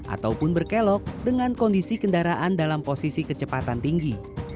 ataupun berkelok dengan kondisi kendaraan dalam posisi kecepatan tinggi